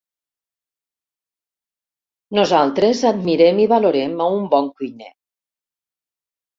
Nosaltres admirem i valorem a un bon cuiner.